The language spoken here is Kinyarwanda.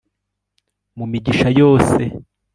mu migisha yose